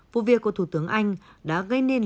vụ việc của thủ tướng anh đã gây nên